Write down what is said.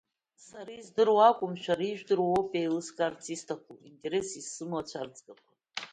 Сара издыруа акәым, шәара ижәдыруа ауп еилыскаарц исҭаху, интересс исымоу, ацәарӡгақәа.